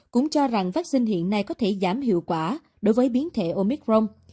cũng cho rằng vaccine hiện nay có thể giảm hiệu quả đối với biến thể omicron